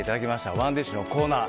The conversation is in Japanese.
ＯｎｅＤｉｓｈのコーナー